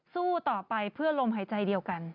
สู้ต่อไปเพื่อลมหายใจเดียวกัน